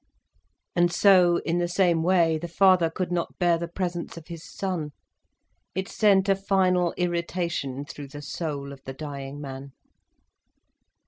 And so, in the same way, the father could not bear the presence of his son. It sent a final irritation through the soul of the dying man.